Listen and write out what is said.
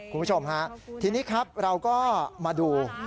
คุณผู้ชมฮะทีนี้ครับเราก็มาดู